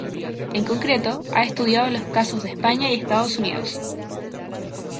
En concreto ha estudiado los casos de España y Estados Unidos.